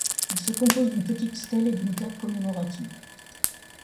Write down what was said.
Il se compose d'une petite stèle et d'une plaque commémorative.